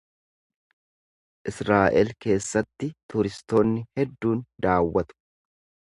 Israa’el keessatti turistoonni hedduun daawwatu.